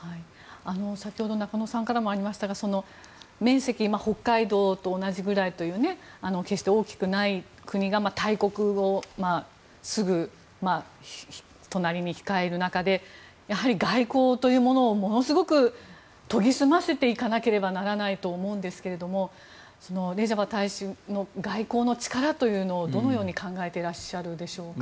先ほど中野さんからありましたが面積は北海道と同じぐらいで決して大きくない国が大国をすぐ隣に控える中でやはり外交というものを研ぎ澄ませていかなければならないと思うんですけれどもレジャバ大使の外交の力というのをどのように考えていらっしゃるでしょうか。